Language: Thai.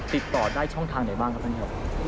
ติดต่อได้ช่องทางไหนบ้างครับท่านครับ